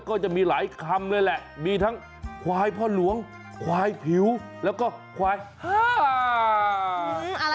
ก็จะมีหลายคำเลยแหละมีทั้งควายพ่อหลวงควายผิวแล้วก็ควายห้า